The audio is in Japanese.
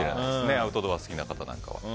アウトドア好きな方には。